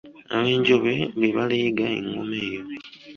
Abenjobe be baleega engoma eyo.